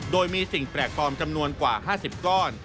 โดยมีสิ่งแปลกปลอมจำนวนกว่า๕๐ก้อน